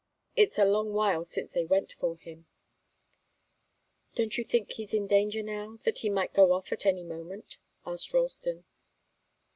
It's a long while since they went for him." "Don't you think he's in danger now that he might go off at any moment?" asked Ralston.